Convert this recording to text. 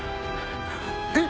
えっ？